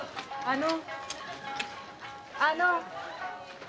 あのあの。